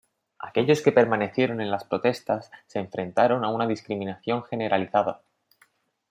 Aquellos que permanecieron en las protestas se enfrentaron a una discriminación generalizada.